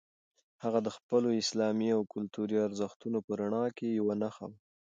هغه د خپلو اسلامي او کلتوري ارزښتونو په رڼا کې یوه نښه وه.